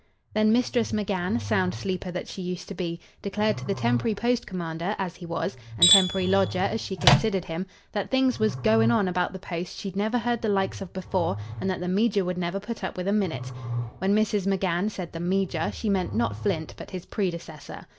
Then Mistress McGann, sound sleeper that she used to be, declared to the temporary post commander, as he was, and temporary lodger as she considered him, that things "was goin' on about the post she'd never heard the likes of before, and that the meejor would never put up with a minute." When Mrs. McGann said "the meejor" she meant not Flint, but his predecessor.